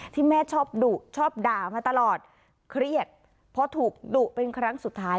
ที่แม่ชอบดุชอบด่ามาตลอดเครียดเพราะถูกดุเป็นครั้งสุดท้าย